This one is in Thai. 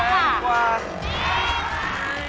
คุณไอคุณแม้ง